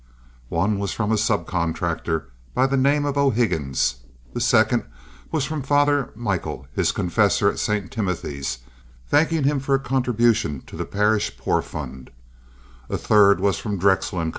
One was from a sub contractor by the name of O'Higgins, the second was from Father Michel, his confessor, of St. Timothy's, thanking him for a contribution to the parish poor fund; a third was from Drexel & Co.